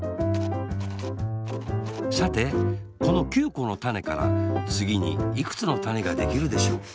さてこの９このたねからつぎにいくつのたねができるでしょう？